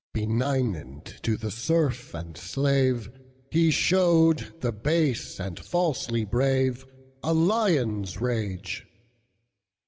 Benignant to the serf and slave, He showed the base and falsely braveA lion's rage.